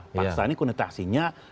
paksa ini konditasinya